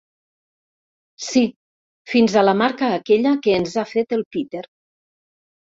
Sí, fins a la marca aquella que ens ha fet el Peter.